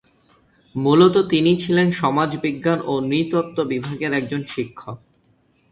মূলত তিনি ছিলেন সমাজবিজ্ঞান ও নৃতত্ত্ব বিভাগের একজন শিক্ষক।